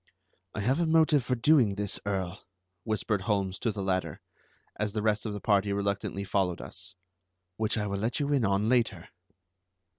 "I have a motive for doing this, Earl," whispered Holmes to the latter, as the rest of the party reluctantly followed us, "which I will let you in on later."